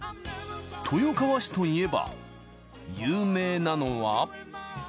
豊川市といえば有名なのは。